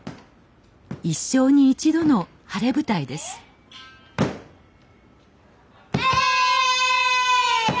一生に一度の晴れ舞台ですえいや！